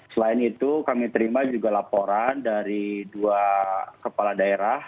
selain itu kami terima juga laporan dari dua kepala daerah